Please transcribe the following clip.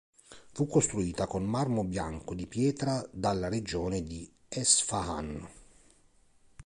Fu costruita con marmo bianco di pietra dalla regione di Esfahan.